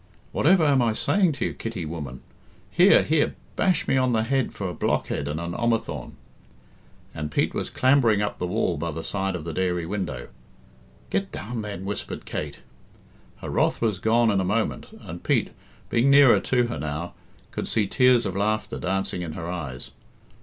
Whatever am I saying to you, Kitty, woman? Here, here bash me on the head for a blockhead and an omathaun." And Pete was clambering up the wall by the side of the dairy window. "Get down, then," whispered Kate. Her wrath was gone in a moment, and Pete, being nearer to her now, could see tears of laughter dancing in her eyes.